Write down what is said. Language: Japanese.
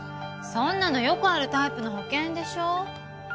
そんなのよくあるタイプの保険でしょ？